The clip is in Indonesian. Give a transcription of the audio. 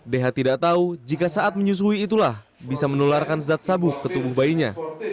deha tidak tahu jika saat menyusui itulah bisa menularkan zat sabu ke tubuh bayinya